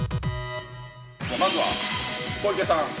◆まずは、小池さん。